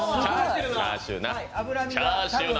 チャーシーな。